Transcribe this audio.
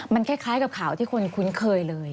มันคล้ายกับข่าวที่คนคุ้นเคยเลย